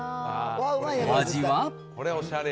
お味は。